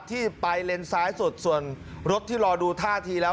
ที่ไปเลนซ้ายสุดส่วนรถที่รอดูท่าทีแล้ว